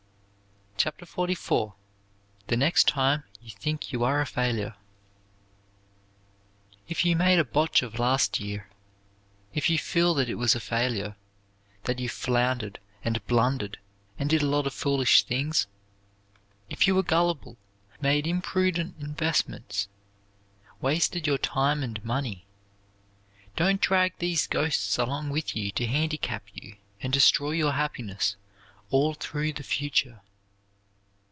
CHAPTER XLIV THE NEXT TIME YOU THINK YOU ARE A FAILURE If you made a botch of last year, if you feel that it was a failure, that you floundered and blundered and did a lot of foolish things; if you were gullible, made imprudent investments, wasted your time and money, don't drag these ghosts along with you to handicap you and destroy your happiness all through the future.